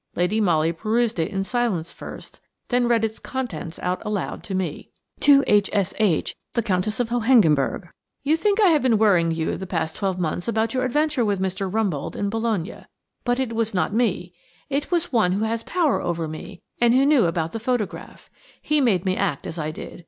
Lady Molly perused it in silence first, then read its contents out aloud to me:– "To H. S. H. the Countess of Hohengebirg. "You think I have been worrying you the past twelve months about your adventure with Mr. Rumboldt in Boulogne. But it was not me; it was one who has power over me, and who knew about the photograph. He made me act as I did.